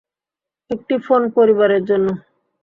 একটি ফোন পরিবারের জন্য।